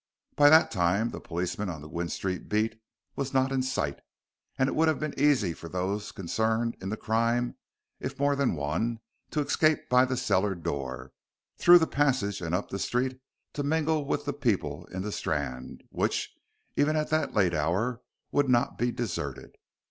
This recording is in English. By that time the policeman on the Gwynne Street beat was not in sight, and it would have been easy for those concerned in the crime if more than one to escape by the cellar door, through the passage and up the street to mingle with the people in the Strand, which, even at that late hour, would not be deserted.